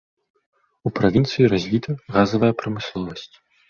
У правінцыі развіта газавая прамысловасць.